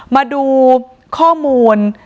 มาดูข้อมูล